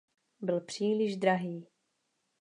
Byl příliš drahý.